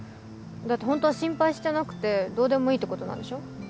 だってホントは心配してなくてどうでもいいってことなんでしょ？